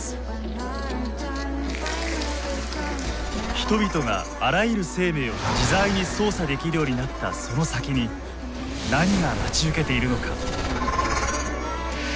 人々があらゆる生命を自在に操作できるようになったその先に何が待ち受けているのか。